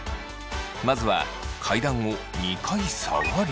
まずは階段を２階下がり。